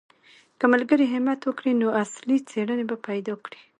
که ملګري همت وکړي نو اصلي څېړنې به پیدا کړي.